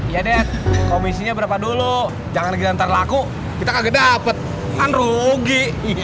iya det komisinya berapa dulu jangan lagi nantar laku kita kagak dapet kan rugi